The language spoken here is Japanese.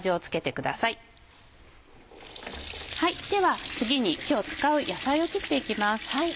では次に今日使う野菜を切っていきます。